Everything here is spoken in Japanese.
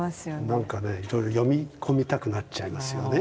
なんかね読み込みたくなっちゃいますよね。